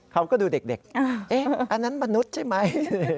เขาก็ดูเด็กอันนั้นมนุษย์ใช่ไหม